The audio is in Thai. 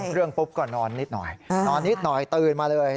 เอาเรื่องปุ๊บก็นอนนิดหน่อยตื่นมาเลยโอ๊ะค่ะ